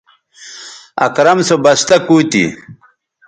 اکرم سو بستہ کُو تھی